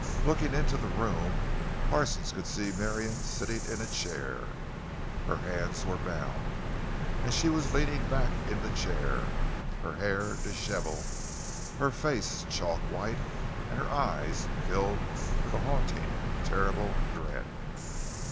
Looking into the room, Parsons could see Marion sitting in a chair. Her hands were bound, and she was leaning back in the chair, her hair disheveled, her face chalk white, and her eyes filled with a haunting, terrible dread.